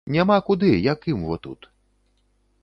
Няма куды, як ім во тут.